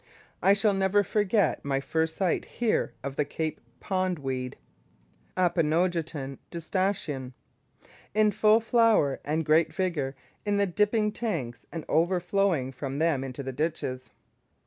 I shall never forget my first sight here of the Cape Pondweed (Aponogeton distachyon) in full flower and great vigour in the dipping tanks, and overflowing from them into the ditches.